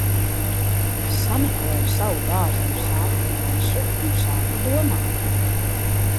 Sameklēju savu dārzeņu sēklu maisu un sāku domāt.